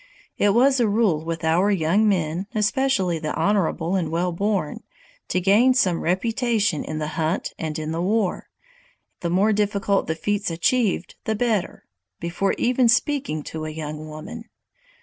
It was a rule with our young men, especially the honorable and well born, to gain some reputation in the hunt and in war, the more difficult the feats achieved the better, before even speaking to a young woman.